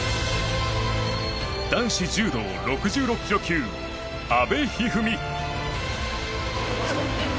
男子柔道６６ｋｇ級阿部一二三。